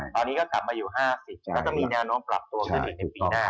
ตอนนี้ก็กลับมาอยู่๕๐ก็จะมีแนวโน้มปรับตัวขึ้นอีกในปีหน้า